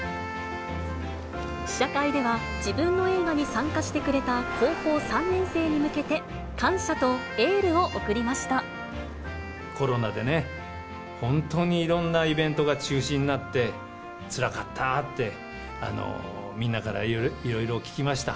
試写会では、自分の映画に参加してくれた高校３年生に向けて、感謝とエールをコロナでね、本当にいろんなイベントが中止になって、つらかったって、みんなからいろいろ聞きました。